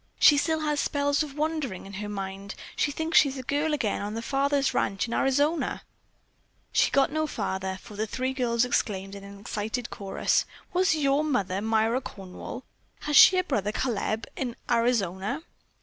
She still has spells of wandering in her mind. She thinks she is a girl again on her father's ranch in Arizona——" She got no farther, for three girls exclaimed in excited chorus: "Was your mother Myra Cornwall? Has she a brother Caleb in Arizona?"